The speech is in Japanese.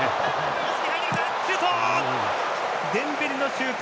シュート！